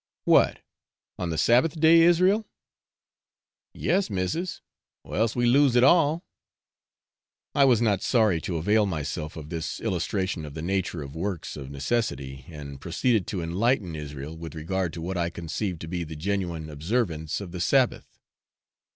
'What, on the Sabbath day, Israel?' 'Yes, missis, or else we lose it all.' I was not sorry to avail myself of this illustration of the nature of works of necessity, and proceeded to enlighten Israel with regard to what I conceive to be the genuine observance of the Sabbath.